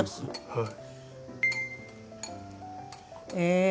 はい。